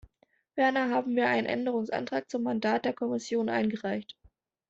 Ferner haben wir einen Änderungsantrag zum Mandat der Kommission eingereicht.